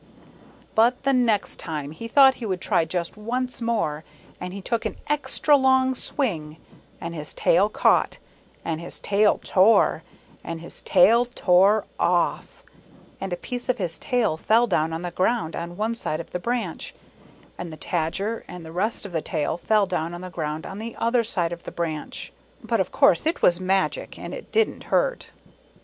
But the next time he thought he would try just once more and he took an extra long swing ; and his tail caught, and his tail tore, and his tail tore off, and a piece of his tail fell down on the ground on one side of the branch ; and the Tadger and the rest of the tail fell down on the ground on the other side of the branch. But of course it was magic, and it didn't hurt.